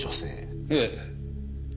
ええ。